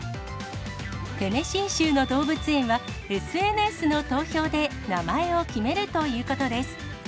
テネシー州の動物園はＳＮＳの投票で名前を決めるということです。